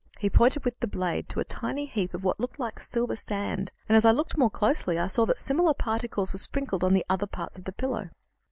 He pointed with the blade to a tiny heap of what looked like silver sand, and, as I looked more closely, I saw that similar particles were sprinkled on other parts of the pillow.